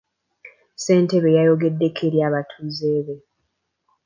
Ssentebe yayogeddeko eri abatuuze be.